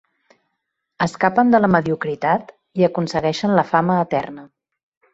Escapen de la mediocritat i aconsegueixen la fama eterna.